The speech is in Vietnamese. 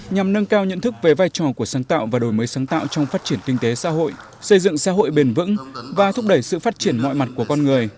nhằm nâng cao nhận thức về vai trò của sáng tạo và đổi mới sáng tạo trong phát triển kinh tế xã hội xây dựng xã hội bền vững và thúc đẩy sự phát triển mọi mặt của con người